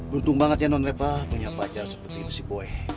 beruntung banget ya nonreva punya pacar seperti itu si boy